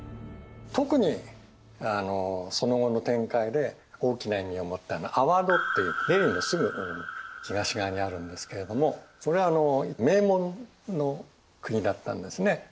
特にその後の展開で大きな意味を持ったのはアワドっていうデリーのすぐ東側にあるんですけれどもこれは名門の国だったんですね。